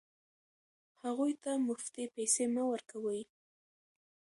هغوی ته مفتې پیسې مه ورکوئ.